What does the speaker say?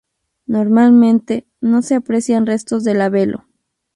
Normalmente, no se aprecian restos de la velo.